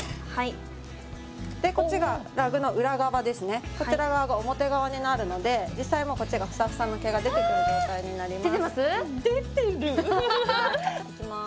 こっちがラグの裏側ですねこちら側が表側になるので実際こっちがフサフサの毛が出てくる状態になります出てます？